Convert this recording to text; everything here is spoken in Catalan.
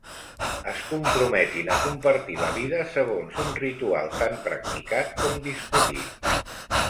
Es comprometin a compartir la vida segons un ritual tan practicat com discutit.